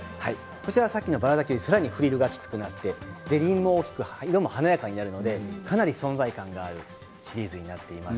さっきのバラ咲きよりさらにフリルがきつくなって色も華やかになるのでかなり存在感のあるシリーズになっています。